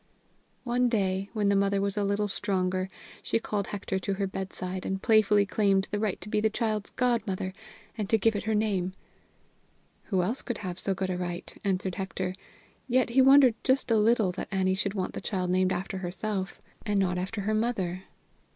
One day, when the mother was a little stronger, she called Hector to her bedside, and playfully claimed the right to be the child's godmother, and to give it her name. "And who else can have so good a right?" answered Hector. Yet he wondered just a little that Annie should want the child named after herself, and not after her mother.